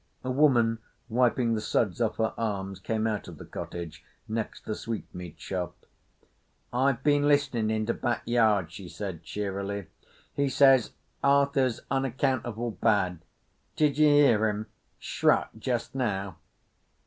A woman, wiping the suds off her arms, came out of the cottage next the sweetmeat shop. "I've be'n listenin' in de back yard," she said cheerily. "He says Arthur's unaccountable bad. Did ye hear him shruck just now?